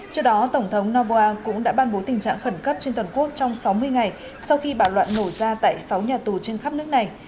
trước đó tổng thống noboa cũng đã ban bố tình trạng khẩn cấp trên toàn quốc trong sáu mươi ngày sau khi bạo loạn nổ ra tại sáu nhà tù trên khắp nước này